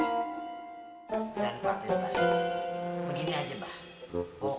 pokoknya besok abah minta si roda ini dipeksin